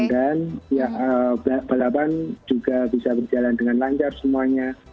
dan ya balapan juga bisa berjalan dengan lancar semuanya